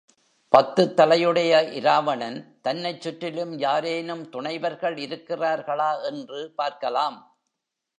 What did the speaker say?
பத்துத் தலையையுடைய இராவணன் தன்னைச் சுற்றிலும் யாரேனும் துணைவர்கள் இருக்கிறார்களா என்று பார்க்கலாம்.